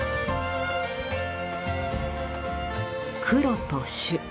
黒と朱。